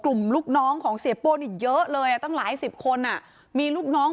ลูกน้องของเสียโป้นี่เยอะเลยอ่ะตั้งหลายสิบคนอ่ะมีลูกน้อง